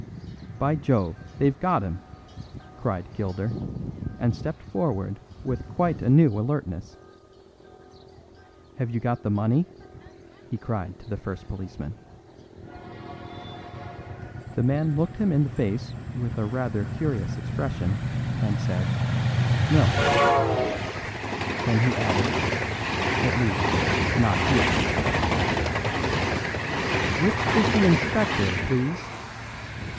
"By Jove! they've got him," cried Gilder, and stepped forward with quite a new alertness. "Have you got the money!" he cried to the first policeman. The man looked him in the face with a rather curious expression and said: "No." Then he added: "At least, not here." "Which is the inspector, please?"